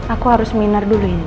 aku harus minar dulu ini